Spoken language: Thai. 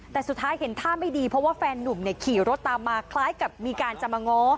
แต่สุดท้ายเห็นท่าไม่ดีเพราะว่าแฟนนุ่มขี่รถตามมาคล้ายกับมีการจะมาง้อ